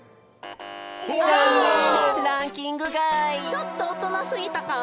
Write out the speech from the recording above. ちょっとおとなすぎたかな。